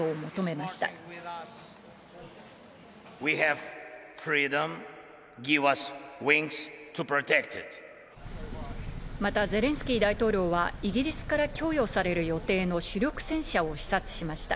また、ゼレンスキー大統領はイギリスから供与される予定の主力戦車を視察しました。